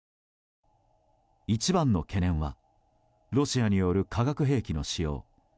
一番の懸念はロシアによる化学兵器の使用。